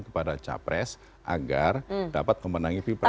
kepada capres agar dapat memenangi pilpres